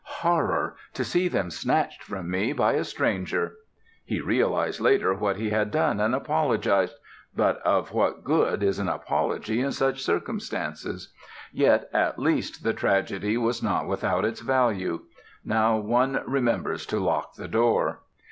Horror! to see them snatched from me by a stranger. He realized later what he had done and apologized, but of what good is an apology in such circumstances? Yet at least the tragedy was not without its value. Now one remembers to lock the door.